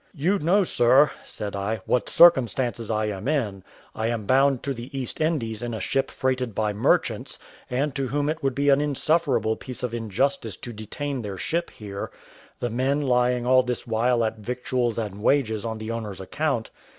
You know, sir," said I, "what circumstances I am in; I am bound to the East Indies in a ship freighted by merchants, and to whom it would be an insufferable piece of injustice to detain their ship here, the men lying all this while at victuals and wages on the owners' account.